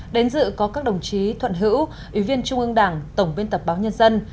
đến dự có các đồng chí thuận hữu ủy viên trung ương đảng tổng biên tập báo nhân dân